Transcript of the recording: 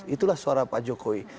itulah suara pak jokowi